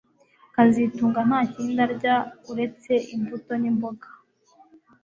kazitunga ntakindi arya uretse imbuto nimboga